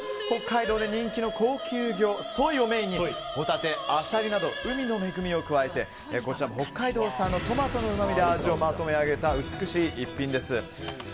北海道で人気の高級魚ソイをメインにホタテ、アサリなど海の恵みを加えて北海道産のトマトのうまみで味をまとめ上げた美しい一品です。